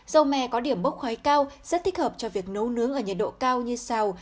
dầu me có điểm bốc khói cao rất thích hợp cho việc nấu nướng ở nhiệt độ cao như xào